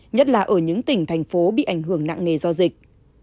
nhất là ở những tỉnh thành phố bị ảnh hưởng nặng nề do dịch